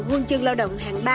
huân chương lao động hàng ba